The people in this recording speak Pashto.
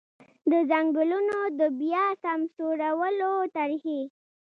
د ځنګلونو د بیا سمسورولو طرحې.